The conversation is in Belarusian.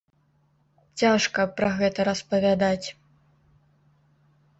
Цяжка пра гэта распавядаць.